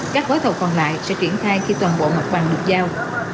các vớ thầu còn lại sẽ triển thai khi toàn bộ mặt bằng được giao